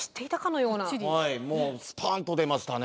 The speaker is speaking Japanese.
はいもうスパンと出ましたね。